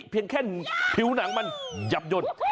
เพียงแค่ผิวหนังมันหยับยนต์